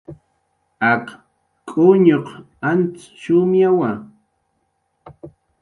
Ak k'uñuq antz shumyawa